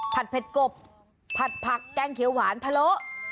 เผ็ดกบผัดผักแกงเขียวหวานพะโล